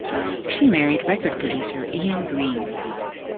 She married record producer Ian Green.